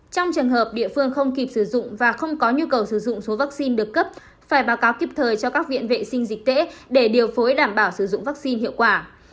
trong trường hợp địa phương không kịp sử dụng và không có nhu cầu sử dụng số vaccine được cấp phải báo cáo kịp thời cho các viện vệ sinh dịch tễ để điều phối đảm bảo sử dụng vaccine hiệu quả